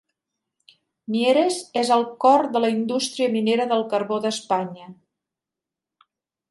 Mieres és el cor de la indústria minera del carbó d'Espanya.